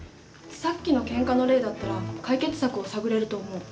さっきのけんかの例だったら解決策を探れると思う。